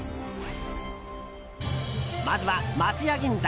まずは、松屋銀座。